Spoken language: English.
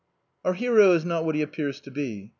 Our hero is not what he appears to be.